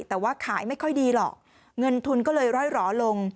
แต่ว่าขายไม่ค่อยดีหรอกเงินทุนก็เลยร่อยหล่อลง